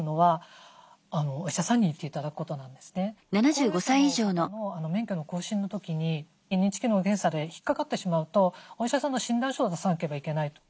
高齢者の方の免許の更新の時に認知機能の検査で引っかかってしまうとお医者さんの診断書を出さなければいけないと。